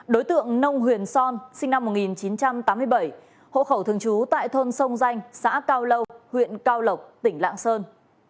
đối tượng nông huyền son sinh năm một nghìn chín trăm tám mươi bảy hộ khẩu thường trú tại thôn sông danh xã cao lâu huyện cao lộc tỉnh lạng sơn